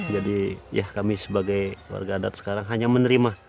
jadi kami sebagai warga adat sekarang hanya menerima